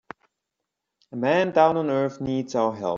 A man down on earth needs our help.